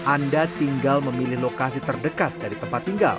anda tinggal memilih lokasi terdekat dari tempat tinggal